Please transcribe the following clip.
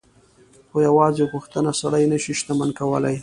خو يوازې غوښتنه سړی نه شي شتمن کولای.